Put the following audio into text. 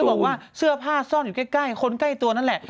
บอกว่าเสื้อผ้าซ่อนอยู่ใกล้คนใกล้ตัวนั่นแหละ